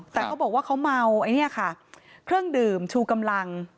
แต่เขาบอกว่าเขาเมาไอ้เนี่ยค่ะเครื่องดื่มชูกำลัง